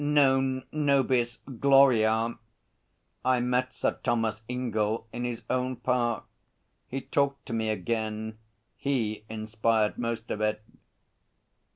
Non nobis gloria! I met Sir Thomas Ingell in his own park. He talked to me again. He inspired most of it.'